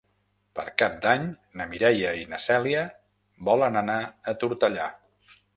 Per Cap d'Any na Mireia i na Cèlia volen anar a Tortellà.